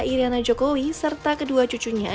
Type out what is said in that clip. iryana jokowi serta kedua cucunya